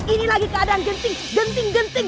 ini lagi keadaan genting genting